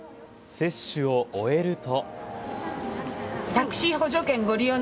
接種を終えると。